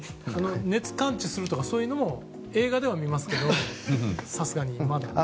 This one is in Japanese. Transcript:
熱感知するとかも映画では見ますけどさすがにまだ。